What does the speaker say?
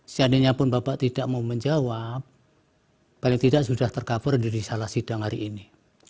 seandainya pun bapak tidak mau menjawab paling tidak sudah tercover di salah sidang hari ini